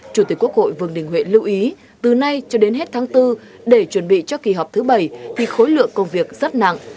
chủ tịch quốc hội vương đình huệ lưu ý từ nay cho đến hết tháng bốn để chuẩn bị cho kỳ họp thứ bảy thì khối lượng công việc rất nặng